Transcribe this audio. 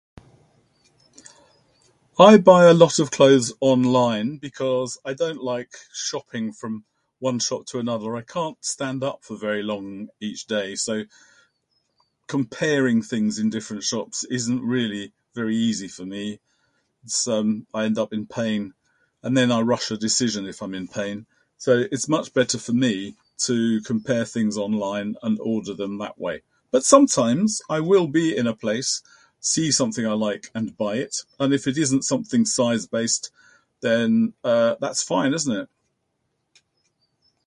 I buy a lot of clothes online because I don't like shopping from one shop to another. I can't stand up for very long each day. So, comparing things in different shops isn't really very easy for me. Som- I end up in pain. And then I rush the decision if I'm in pain. So, it's much better for me to compare things online and order them that way. But sometimes I will be in a place, see something I like, and buy it. And if it isn't something size-based, then, uh, that's fine, isn't it?